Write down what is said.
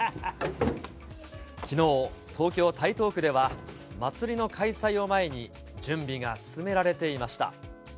きのう、東京・台東区では、祭りの開催を前に、準備が進められていました。